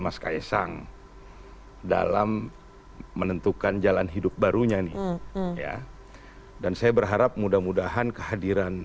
mas kaisang dalam menentukan jalan hidup barunya nih ya dan saya berharap mudah mudahan kehadiran